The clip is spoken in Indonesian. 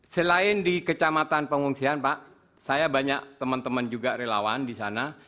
selain di kecamatan pengungsian pak saya banyak teman teman juga relawan di sana